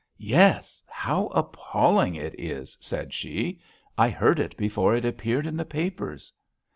"Yes, how appalling it is," said she. "I heard it before it appeared in the papers."